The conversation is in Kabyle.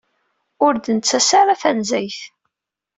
Ur d-nettas ara tanezzayt.